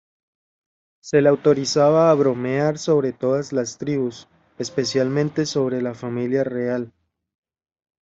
Se le autorizaba a bromear sobre todas las tribus, especialmente sobre la familia real.